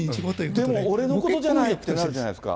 でも俺のことじゃないってなるじゃないですか。